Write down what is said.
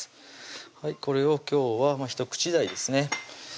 これを今日は１口大ですね